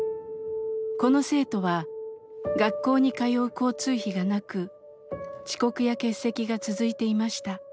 この生徒は学校に通う交通費がなく遅刻や欠席が続いていました。